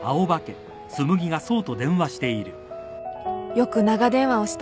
よく長電話をした